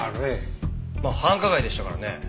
まあ繁華街でしたからね。